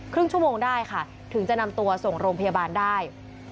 ชั่วโมงได้ค่ะถึงจะนำตัวส่งโรงพยาบาลได้